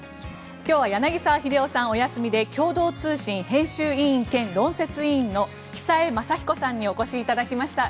今日は柳澤秀夫さん、お休みで共同通信編集委員兼論説委員の久江雅彦さんにお越しいただきました。